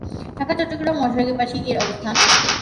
ঢাকা-চট্টগ্রাম মহাসড়কের পাশেই এর অবস্থান।